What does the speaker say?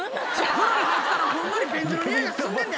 風呂に入ったらほんのり便所のにおいがすんねんで。